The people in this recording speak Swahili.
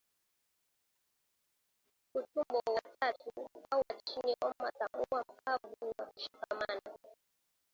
Utumbo wa tatu au wa chini omasum huwa mkavu na kushikamana